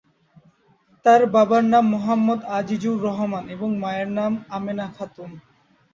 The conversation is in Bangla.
তার বাবার নাম মোহাম্মদ আজিজুর রহমান এবং মায়ের নাম আমেনা খাতুন।